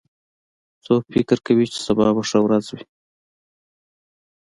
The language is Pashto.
څوک فکر کوي چې سبا به ښه ورځ وي